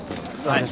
はい。